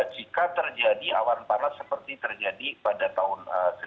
jika terjadi awan panas seperti terjadi pada tahun seribu sembilan ratus sembilan puluh